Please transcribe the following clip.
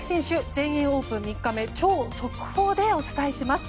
全英オープン３日目超速報でお伝えします。